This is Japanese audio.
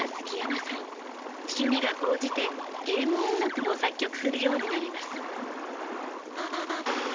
趣味が高じてゲーム音楽も作曲するようになります。